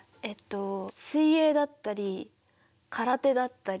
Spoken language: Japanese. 水泳だったり空手だったり。